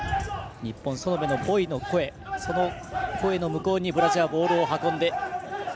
日本、園部のボイの声その声の向こうにブラジルがボールを運ぶ。